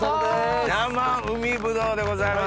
生海ぶどうでございます。